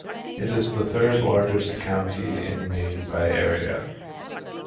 It is the third-largest county in Maine by area.